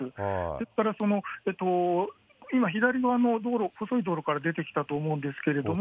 ですから、今、左側の道路、細い道路から出てきたと思うんですけれども。